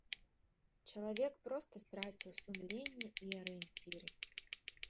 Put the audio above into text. Чалавек проста страціў сумленне і арыенціры.